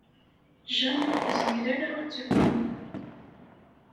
Jane ur tezmir ara ad tɛum.